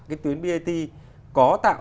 cái tuyến brt có tạo